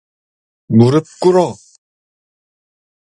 무릎 꿇어!